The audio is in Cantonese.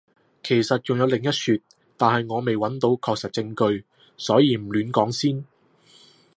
其實仲有另一說，但係我未揾到確實證據，所以唔亂講先